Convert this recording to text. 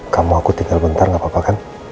kamu aku tinggal bentar gak apa apa kan